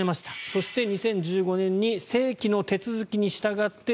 そして２０１５年に正規の手続きに従って